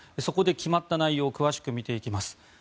そこで決まった内容を詳しく見ていきます。